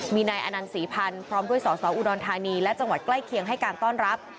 มีนายอนันต์ศรีพันธ์พร้อมด้วยสอสออุดรธานีและจังหวัดใกล้เคียงให้การต้อนรับ